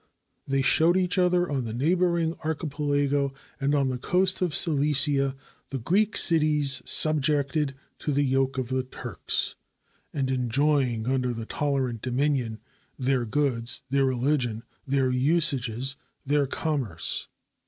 They showed each other on the neighboring archipelago and on the coast of Cilicia the Greek cities subjected to the yoke of the Turks, and en joying, under that tolerant dominion, their goods, their religion, their usages, their commerce.